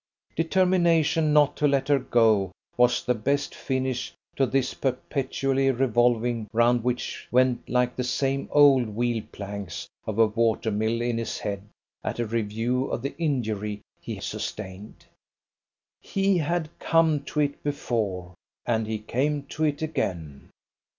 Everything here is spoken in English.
Determination not to let her go was the best finish to this perpetually revolving round which went like the same old wheel planks of a water mill in his head at a review of the injury he sustained. He had come to it before, and he came to it again.